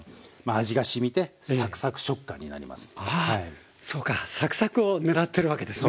あそうか。サクサクを狙ってるわけですね？